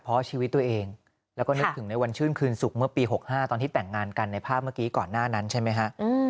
ผ่านถึงในวันชื่นคืนศุกร์เมื่อปี๖๕ตอนที่แต่งงานกันในภาพเมื่อกี้ก่อนหน้านั้นใช่ไหมฮะ